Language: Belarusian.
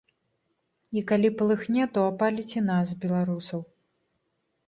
І калі палыхне, то апаліць і нас, беларусаў.